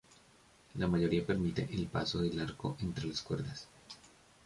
La mayoría permite el paso del arco entre las cuerdas.